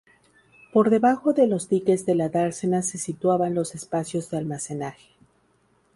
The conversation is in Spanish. Por debajo de los diques de la dársena se situaban los espacios de almacenaje.